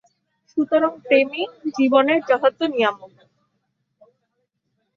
সুতরাং প্রেমেই জীবনের যথার্থ নিয়ামক।